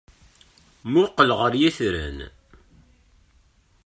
Mmuqqel ɣer yitran.